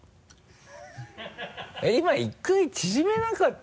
今１回縮めなかった？